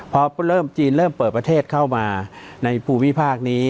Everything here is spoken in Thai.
พอเริ่มจีนเริ่มเปิดประเทศเข้ามาในภูมิภาคนี้